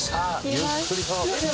ゆっくりと。